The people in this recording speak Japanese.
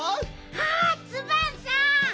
あっツバンさん。